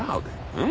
うん。